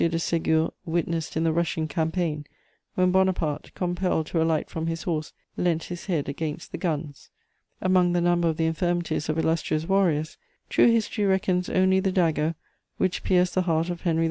de Ségur witnessed in the Russian campaign, when Bonaparte, compelled to alight from his horse, leant his head against the guns. Among the number of the infirmities of illustrious warriors, true history reckons only the dagger which pierced the heart of Henry IV.